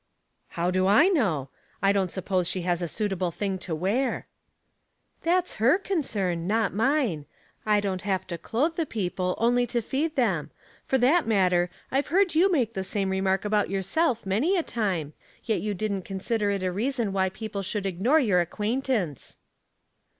" How do /know V I don't suppose she has \ suitable thing to wear." 218 Household Puzzles. "That's her concern, not mine. I don't ba^e to clothe the people, only to feed them, for that matter. I've heard you make the same remark about yourself many a time, yet you didn't con sider it a reason why people should ignore your acquaintance."